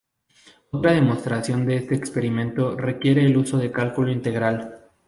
Otra demostración de este experimento requiere del uso de cálculo integral.